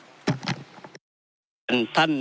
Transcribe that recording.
ครั้งที่๒๑นอคัลภายมธาตุมาจ่ายเป็นเคราะหภ์ไหร่